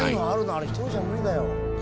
あれ１人じゃ無理だよ。